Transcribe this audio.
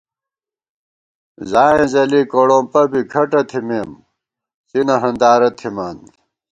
ځائیں ځَلی کوڑومپہ بی کھٹہ تھِمېم، څِنہ ہندارہ تھِمان